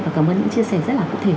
và cảm ơn những chia sẻ rất là nhiều